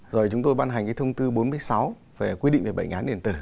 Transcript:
rồi chúng tôi ban hành cái thông tư bốn mươi sáu về quy định về bệnh án điện tử